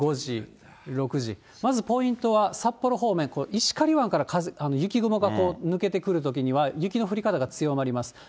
まずポイントは、札幌方面、これ、石狩湾から雪雲が抜けてくるときには、雪の降り方が強まります。